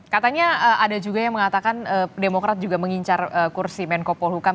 katanya ada juga yang mengatakan demokrat juga mengincar kursi menko polhukam